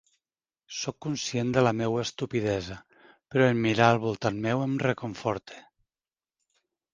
Soc conscient de la meua estupidesa, però en mirar al voltant meu em reconforte.